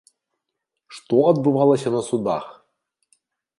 Што адбывалася на судах?